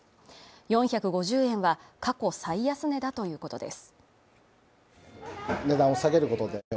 ４５０円は、過去最安値だということです。